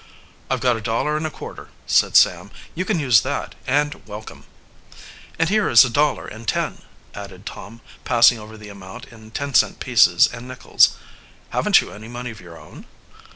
"I've got a dollar and a quarter," said Sam, "you can use that, and welcome." "And here is a dollar and ten," added Tom, passing over the amount in ten cent pieces and nickels. "Haven't you any money of your Own?"